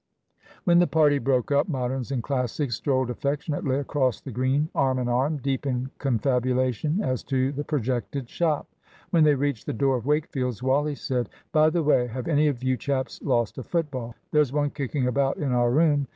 When the party broke up, Moderns and Classics strolled affectionately across the Green arm in arm, deep in confabulation as to the projected shop. When they reached the door of Wakefield's, Wally said, "By the way, have any of you chaps lost a football? There's one kicking about in our room.